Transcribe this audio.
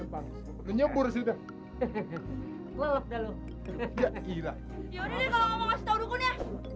yaudah deh kalo gak mau kasih tau dukun ya